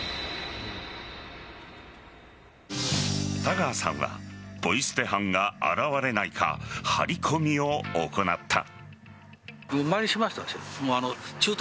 田川さんはポイ捨て犯が現れないか張り込みを行った。